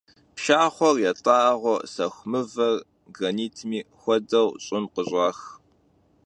Pşşaxhuer, yat'ağuer, sexu mıver, granitmi xuedeu, ş'ım khış'ax.